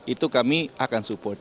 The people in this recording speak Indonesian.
itu kami akan support